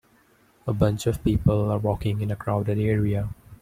A bunch of people are walking in a crowded area.